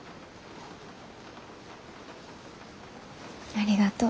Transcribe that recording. ありがとう。